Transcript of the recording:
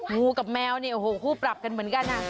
ูกับแมวเนี่ยโอ้โหคู่ปรับกันเหมือนกันนะ